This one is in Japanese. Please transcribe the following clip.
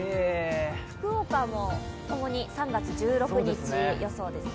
福岡もともに３月１６日予想ですね。